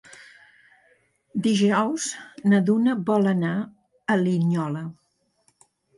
Dijous na Duna vol anar a Linyola.